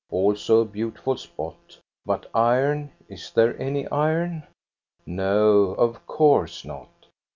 Also a beautiful spot, but iron, is there any iron? No, of course not.